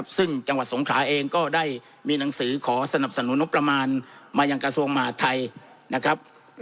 ซึ่งจังหวัดสงขลาเองก็ได้มีหนังสือขอสนับสนุนงบประมาณมายังกระทรวงมหาดไทยนะครับ